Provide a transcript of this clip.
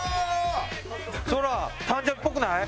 そら誕生日っぽくない？